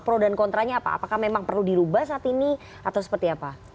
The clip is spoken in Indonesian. pro dan kontranya apa apakah memang perlu dirubah saat ini atau seperti apa